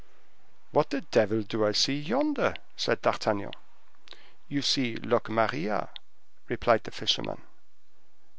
"What the devil do I see yonder?" said D'Artagnan. "You see Locmaria," replied the fisherman.